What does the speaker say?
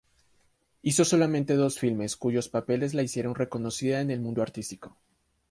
Hizo solamente dos filmes cuyos papeles la hicieron reconocida en el mundo artístico.